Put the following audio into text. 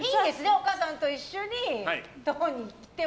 お母さんと一緒のところに行っても。